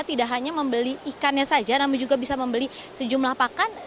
tidak hanya membeli ikannya saja namun juga bisa membeli sejumlah pakan